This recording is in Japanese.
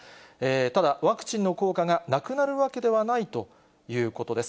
ただ、ワクチンの効果がなくなるわけではないということです。